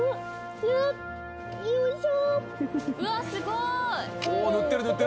よいしょ！